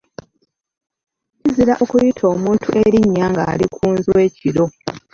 Kizira okuyita omuntu erinnya ng’ali ku nswa ekiro.